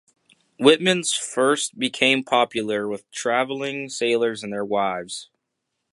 Whitman's first became popular, with travelling sailors and their wives.